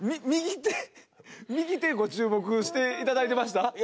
右手右手ご注目していただいてました？